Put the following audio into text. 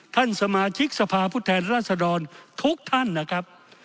ท่านสมาชิกสภาพผู้แทนราษฎรทุกท่านนะครับ